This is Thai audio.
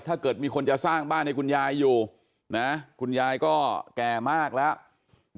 ถ้าเกิดมีคนจะสร้างบ้านให้คุณยายอยู่นะคุณยายก็แก่มากแล้ว